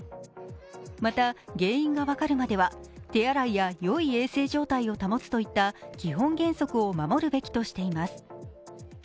また、原因が分かるまでは手洗いやよい衛生状態を保つといった基本原則を守るべきとしています。